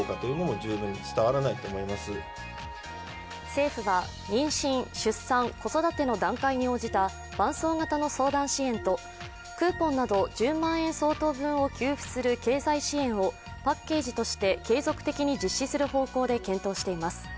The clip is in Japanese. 政府は、妊娠、出産、子育ての段階に応じた伴走型の相談支援とクーポンなど１０万円相当分を給付する経済支援をパッケージとして継続的に実施する方向で検討しています。